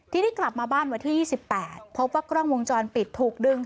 ทีนี้กลับมาบ้านวันที่๒๘พบว่ากล้องวงจรปิดถูกดึง